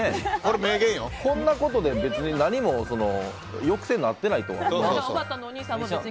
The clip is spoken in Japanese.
こんなことで別に何も抑制になっていないと思います。